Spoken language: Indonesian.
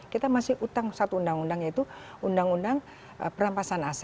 kita masih utang satu undang undang yaitu undang undang perampasan aset